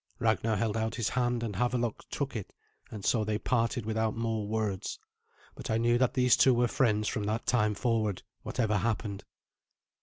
Ragnar held out his hand, and Havelok took it, and so they parted without more words; but I knew that these two were friends from that time forward, whatever happened.